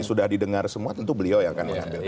sudah didengar semua tentu beliau yang akan mengambil itu